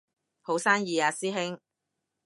好生意啊師兄